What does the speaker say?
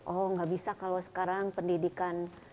oh nggak bisa kalau sekarang pendidikan